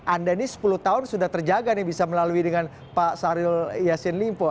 anda ini sepuluh tahun sudah terjaga nih bisa melalui dengan pak syahrul yassin limpo